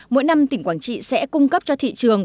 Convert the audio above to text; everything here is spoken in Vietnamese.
mỗi năm tỉnh quảng trị sẽ cung cấp cho thị trường